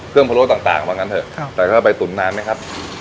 เครื่องพะโล้ต่างบางอย่างนั้นเถอะแต่ก็ไปตุ๋นนานไหมครับ